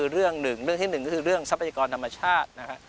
เรื่องที่หนึ่งคือเรื่องทรัพยากรธรรมชาติ